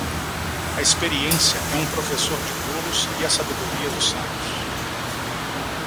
A experiência é um professor de tolos e a sabedoria dos sábios.